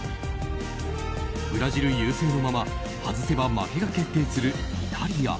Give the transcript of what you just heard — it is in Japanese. ブラジル優勢のまま外せば負けが決定するイタリア。